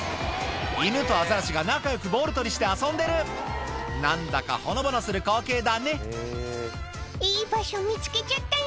犬とアザラシが仲良くボール取りして遊んでる何だかほのぼのする光景だね「いい場所見つけちゃったな」